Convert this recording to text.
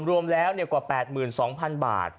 รวมแล้วกว่า๘๒๐๐๐บาท